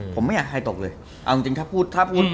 ผมไม่อยากใครตกเลยเอาจริงถ้าพูด